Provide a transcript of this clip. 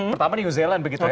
pertama new zealand begitu ya